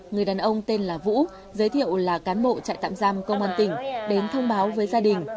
người đàn ông tên là vũ giới thiệu là cán bộ trại tạm giam công an tỉnh đến thông báo với gia đình